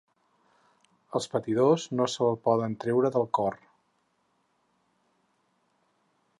Els patidors no se'l poden treure del cor.